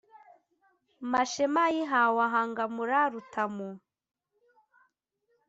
mashema ayihawe ahangamura rutamu.